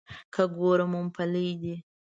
که ګورم مومپلي دي.